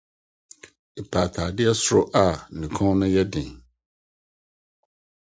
Mepɛ ataade soro a ne kɔn no yɛ den